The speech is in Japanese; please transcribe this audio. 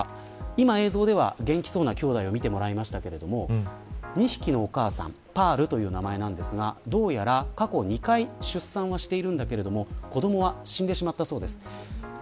今、映像では元気そうなきょうだいを見てもらいましたが２匹のお母さんパールという名前ですがどうやら過去２回出産はしているんだけど子どもは死んでしまったそうです。